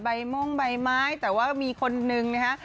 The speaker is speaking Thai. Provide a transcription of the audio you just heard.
ม่งใบไม้แต่ว่ามีคนนึงนะฮะ